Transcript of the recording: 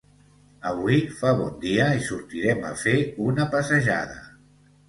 Avui fa bon dia i sortirem a fer una passejada.